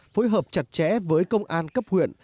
phối hợp chặt chẽ với công an cấp huyện